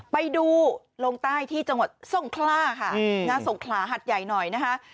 ไปดูลงใต้ที่จังหวัดทรงคล่าค่ะสงขลาหัดใหญ่หน่อยนะคะ